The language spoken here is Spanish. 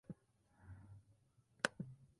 Khan lo describió como su "proyecto más ambicioso".